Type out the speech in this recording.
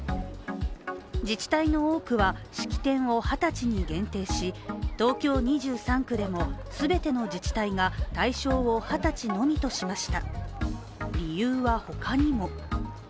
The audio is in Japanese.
自治体の多くは式典を二十歳に限定し、東京２３区でも全ての自治体が対象を二十歳のみとしました。